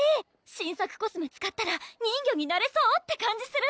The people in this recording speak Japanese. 新作コスメ使ったら人魚になれそうって感じする！